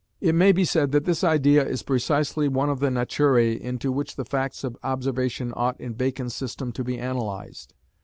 It may be said that this idea is precisely one of the naturæ into which the facts of observation ought in Bacon's system to be analysed.